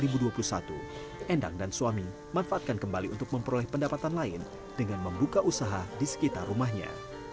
hasil yang ia kumpulkan sejak tahun dua ribu dua puluh satu endang dan suami manfaatkan kembali untuk memperoleh pendapatan lain dengan membuka usaha di sekitar rumahnya